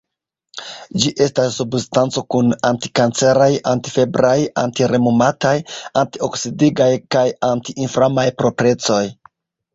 Ĝi estas substanco kun anti-kanceraj, anti-febraj, anti-reŭmataj, anti-oksidigaj kaj anti-inflamaj proprecoj.